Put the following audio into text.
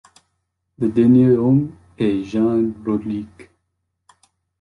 Le dernier homme est Jan Rodricks.